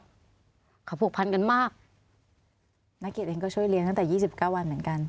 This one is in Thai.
เขาผูกพันกันมากนักเกียจเองก็ช่วยเลี้ยงตั้งแต่ยี่สิบเก้าวันเหมือนกัน